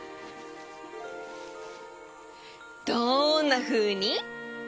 どんなふうに？